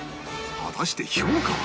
果たして評価は？